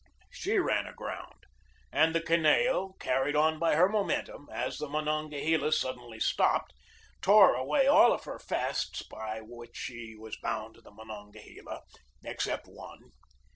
She ran aground, and the Kineo, car ried on by her momentum as the Monongahela sud denly stopped, tore away all of her fasts by which she was bound to the Monongahela except one.